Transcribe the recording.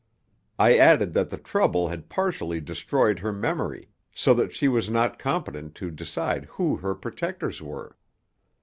I added that the trouble had partially destroyed her memory, so that she was not competent to decide who her protectors were.